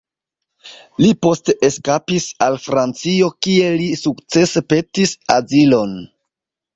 Li poste eskapis al Francio, kie li sukcese petis azilon.